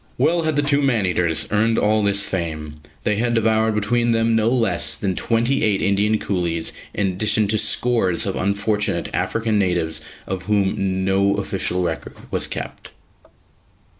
Well had the two man eaters earned all this fame; they had devoured between them no less than twenty eight Indian coolies, in addition to scores of unfortunate African natives of whom no official record was kept.